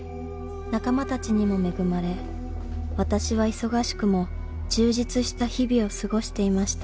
［仲間たちにも恵まれ私は忙しくも充実した日々を過ごしていました］